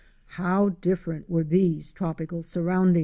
How different were these tropical surroundings!